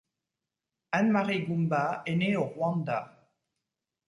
Anne-Marie Goumba est née au Rwanda.